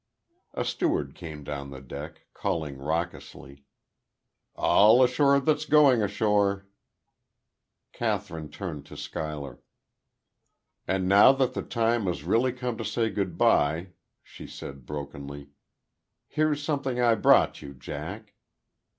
A steward came down the deck, calling raucously: "All ashore that's going ashore!" Kathryn turned to Schuyler. "And now that the time has really come to say good bye," she said, brokenly, "here's something I brought you, Jack."